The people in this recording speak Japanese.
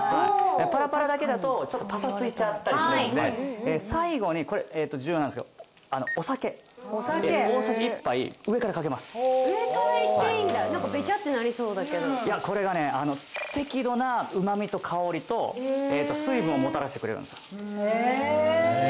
パラパラだけだとちょっとパサついちゃったりするんで最後にこれ重要なんですけどお酒大さじ１杯上からかけます上からいっていいんだ何かいやこれがね適度な旨みと香りと水分をもたらしてくれるんですよへえ